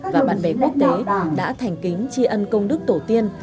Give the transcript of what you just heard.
và bạn bè quốc tế đã thành kính tri ân công đức tổ tiên